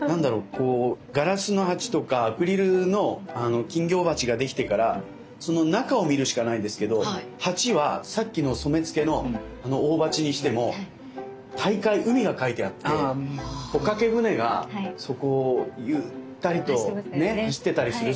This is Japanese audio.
ガラスの鉢とかアクリルの金魚鉢ができてからその中を見るしかないんですけど鉢はさっきの染付の大鉢にしても大海海が描いてあって帆掛け船がそこをゆったりと走ってたりする。